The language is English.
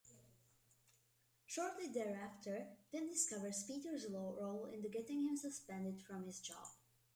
Shortly thereafter, Tim discovers Peter's role in getting him suspended from his job.